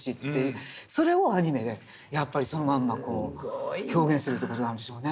それをアニメでやっぱりそのまんま表現するって事なんでしょうね。